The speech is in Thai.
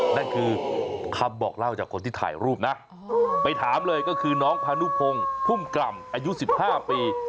นั่นคือคำบอกเล่าจากคนที่ถ่ายรูปนะไปถามเลยก็คือน้องพานุพงศ์พุ่มกล่ำอายุ๑๕ปี